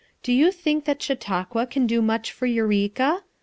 Do you think that Chautauqua can do much for Eureka?